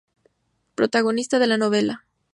Protagonista de la novela.